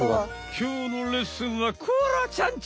きょうのレッスンはコアラちゃんち！